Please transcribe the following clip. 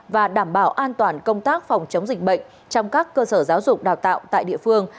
và đảm bảo an toàn công tác phòng chống dịch bệnh trong các cơ sở giáo dục đào tạo tại địa phương